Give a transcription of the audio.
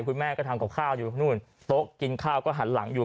คุณแม่ก็ทำกับข้าวอยู่นู่นโต๊ะกินข้าวก็หันหลังอยู่